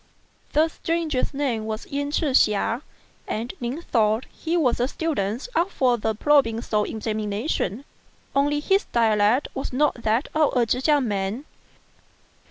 The stranger's name was Yen Ch'ih hsia, and Ning thought he was a student up for the provincial examina tion, only his dialect was not that of a Chekiang man.